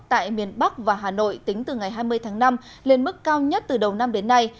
tại miền bắc và hà nội tính từ ngày hai mươi tháng năm lên mức cao nhất từ đầu năm đến nay